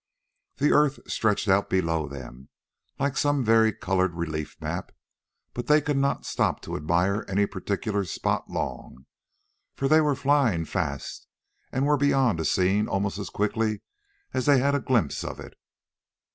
The earth stretched out below them, like some vari colored relief map, but they could not stop to admire any particular spot long, for they were flying fast, and were beyond a scene almost as quickly as they had a glimpse of it.